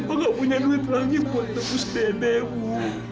bapak gak punya duit lagi buat tembus dede bu